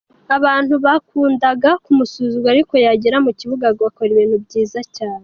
Abantu bakundaga kumusuzugura ariko yagera mu kibuga agakora ibintu byiza cyane.